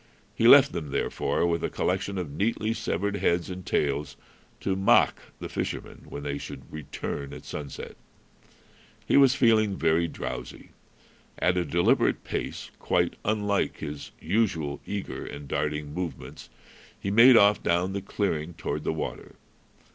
He left them, therefore, with a collection of neatly severed heads and tails, to mock the fishermen when they should return at sunset. He was feeling very drowsy. At a deliberate pace, quite unlike his usual eager and darting movements, he made off down the clearing toward the water.